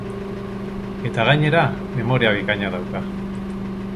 Eta gainera, memoria bikaina dauka.